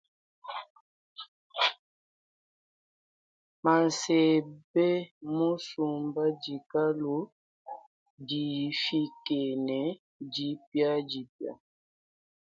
Mansebe musumba dikalu difike ne dipiadipia.